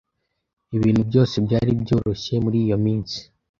Ibintu byose byari byoroshye muri iyo minsi.